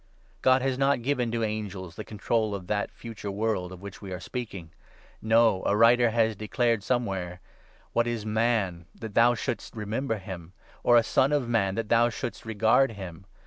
God has not given to angels the control of that Future 5 World of which we are speaking ! No ; a writer has declared 6 somewhere —' What is Man that thou should'st remember him ? Or a Son of Man that thou should'st regard him